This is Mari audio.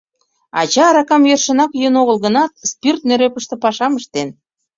Ача, аракам йӧршынак йӱын огыл гынат, спирт нӧрепыште пашам ыштен.